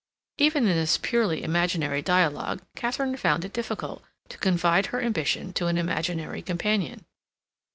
Even in this purely imaginary dialogue, Katharine found it difficult to confide her ambition to an imaginary companion.